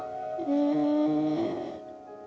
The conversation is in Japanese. うん。